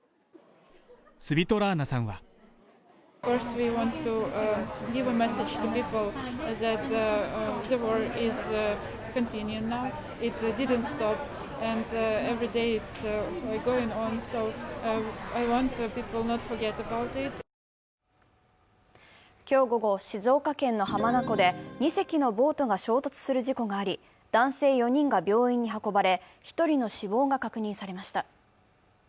スヴィトラーナさんは今日午後、静岡県の浜名湖で２隻のボートが衝突する事故があり男性４人が病院に運ばれ、１人の死亡が確認されました。